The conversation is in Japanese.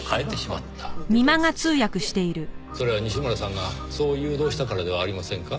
それは西村さんがそう誘導したからではありませんか？